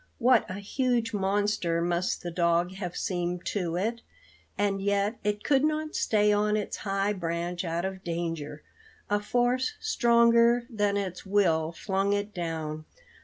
What a huge monster must the dog have seemed to it! And yet it could not stay on its high branch out of danger.... A force stronger than its will flung it down.